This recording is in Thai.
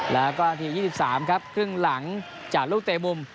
แล้วก็นาที๒๓ครับครึ่งหลังจากลูกเตะมุม